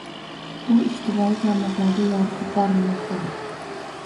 U ijtimoiy tarmoqlarda yoritib borilmoqda.